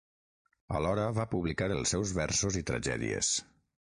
Alhora va publicar els seus versos i tragèdies.